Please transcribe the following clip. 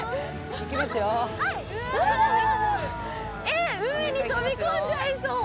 えっ海に飛び込んじゃいそう！